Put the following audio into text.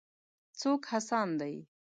څوک هڅاند دی.